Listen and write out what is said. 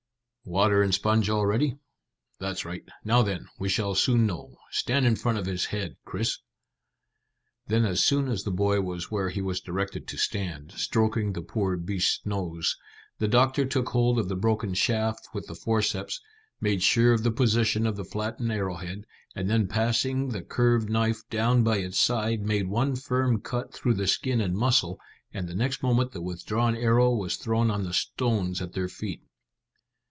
"Water and sponge all ready? That's right. Now then, we shall soon know. Stand in front of his head, Chris." Then as soon as the boy was where he was directed to stand, stroking the poor beast's nose, the doctor took hold of the broken shaft with the forceps, made sure of the position of the flattened arrowhead, and then passing the curved knife down by its side, made one firm cut through the skin and muscle, and the next moment the withdrawn arrow was thrown on the stones at their feet.